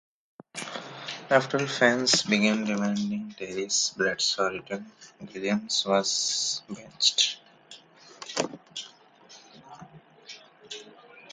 After fans began demanding Terry Bradshaw's return, Gilliam was benched.